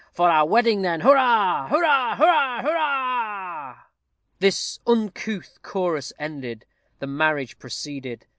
For our wedding, then, hurrah! Hurrah! hurrah! hurrah! This uncouth chorus ended, the marriage proceeded.